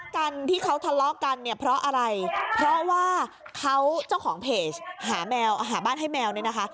กันที่เขาทะเลาะกันเนี่ยเพราะอะไรเพราะว่าเขาเจ้าของเพจหาแมวหาบ้านให้แมวเนี่ยนะคะ